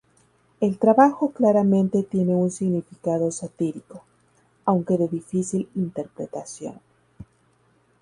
El trabajo claramente tiene un significado satírico, aunque de difícil interpretación.